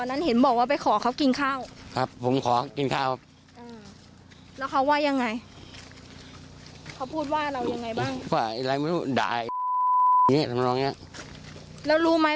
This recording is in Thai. แล้วเอาไปรู้ไหมลุงเร้อไหมสิไม่รู้ครับ